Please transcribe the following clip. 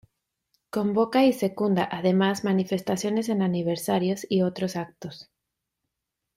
Convoca y secunda además manifestaciones en aniversarios y otros actos.